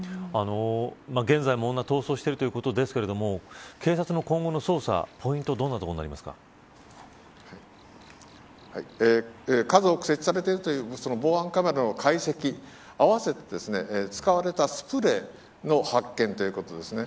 現在も女、逃走しているということですけども警察の今後の捜査ポイントは数多く設置されているという防犯カメラの解析合わせて使われたスプレーの発見ということですね。